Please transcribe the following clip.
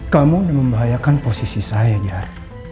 kamu udah membahayakan posisi saya jar